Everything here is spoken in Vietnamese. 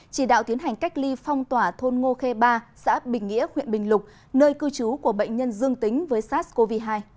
chỉ đạo tiến hành cách ly phong tỏa thôn ngô khê ba xã bình nghĩa huyện bình lục nơi cư trú của bệnh nhân dương tính với sars cov hai